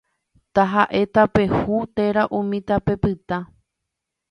Tahaʼe tape hũ térã umi tape pytã.